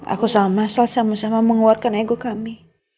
aku sama mas al sama sama mengeluarkan ego kami